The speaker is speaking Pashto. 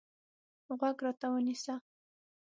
غوږ راته ونیسه.